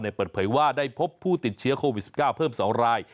เปิดเผยว่าได้พบผู้ติดเชื้อโควิด๑๙เพิ่ม๒ราย